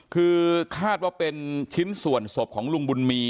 คือคาดว่าเป็นชิ้นส่วนศพของลุงบุญมี